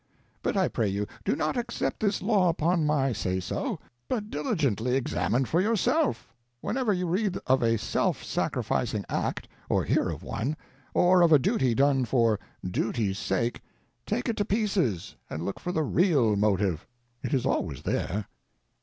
But I pray you, do not accept this law upon my say so; but diligently examine for yourself. Whenever you read of a self sacrificing act or hear of one, or of a duty done for duty's sake, take it to pieces and look for the real motive. It is always there.